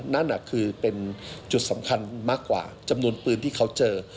นั่นคือเป็นจุดสำคัญมากกว่าจำนวนปืนที่เขาเจอ